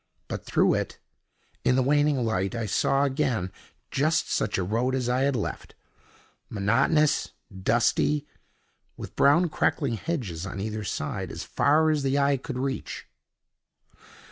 But through it, in the waning light, I saw again just such a road as I had left—monotonous, dusty, with brown crackling hedges on either side, as far as the eye could reach.